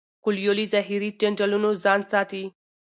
کویلیو له ظاهري جنجالونو ځان ساتي.